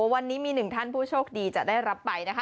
วันนี้มีหนึ่งท่านผู้โชคดีจะได้รับไปนะคะ